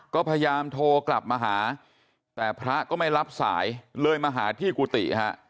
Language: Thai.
ก็พยายามโทรกลับมาหาแต่พระก็ไม่รับสายเลยมาหาที่กุฏิฮะ